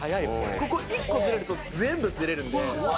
ここ１個ズレると全部ズレるんで。